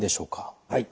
はい。